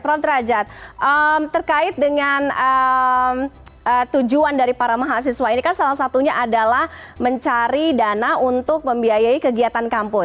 prof derajat terkait dengan tujuan dari para mahasiswa ini kan salah satunya adalah mencari dana untuk membiayai kegiatan kampung